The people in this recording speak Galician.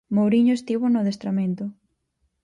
Mouriño estivo no adestramento.